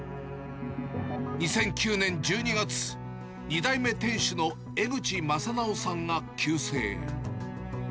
２００９年１２月、２代目店主の江口正直さんが急逝。